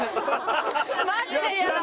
マジでやだ！